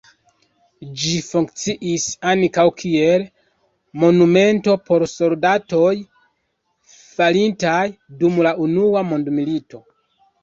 Ĝi funkciis ankaŭ kiel monumento por soldatoj falintaj dum la Unua mondmilito.